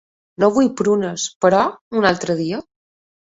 No vull prunes, però, un altre dia.